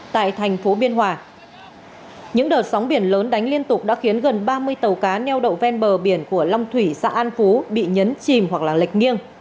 tại thành phố biên hòa những đợt sóng biển lớn đánh liên tục đã khiến gần ba mươi tàu cá neo đậu ven bờ biển của long thủy xã an phú bị nhấn chìm hoặc là lệch nghiêng